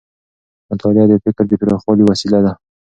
مطالعه د فکر د پراخوالي وسیله ده.